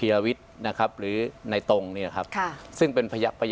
อันดับที่สุดท้าย